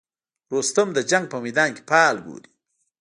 رستم د جنګ په میدان کې فال ګوري.